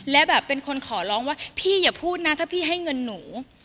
และแบบเป็นคนขอร้องว่าพี่อย่าพูดนะถ้าพี่ให้เงินหนู